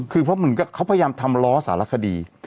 คือเพราะเหมือนกับเขาพยายามทำล้อสารคดี